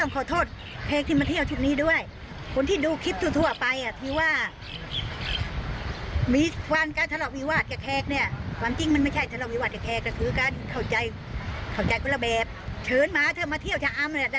เข้าใจเข้าใจคนละแบบเฉินหมาเธอมาเที่ยวชะอำ